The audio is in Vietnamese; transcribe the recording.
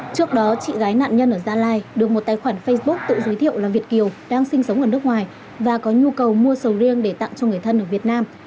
trước đó chị gái nạn nhân ở gia lai được một tài khoản facebook tự giới thiệu là việt kiều đang sinh sống ở nước ngoài và có nhu cầu mua sầu riêng để tặng cho người thân ở việt nam